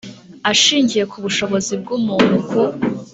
Ashingiye ku bushobozi bw umuntu ku